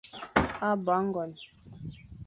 Bo âgon.